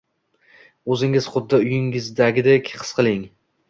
O'zingizni huddi uyingizdagidek his qiling.